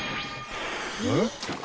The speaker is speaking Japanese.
えっ？